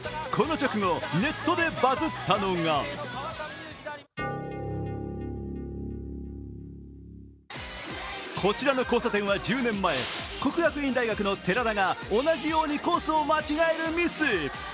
この直後、ネットでバズったのがこちらの交差点は１０年前、國学院大学の寺田が同じようにコースを間違えるニュース。